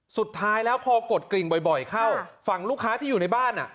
สุดท้ายแล้วพอกดกริ่งบ่อยเข้าฝั่งลูกค้าที่อยู่ในบ้าน